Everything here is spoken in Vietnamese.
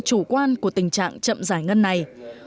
chủ quan của tình trạng chậm giải ngân này